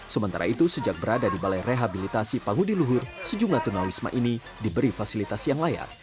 sementara itu sejak berada di balai rehabilitasi pangudi luhur sejumlah tunawisma ini diberi fasilitas yang layak